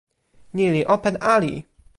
ni li open ali!